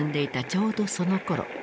ちょうどそのころ